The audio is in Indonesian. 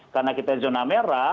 karena kita zona merah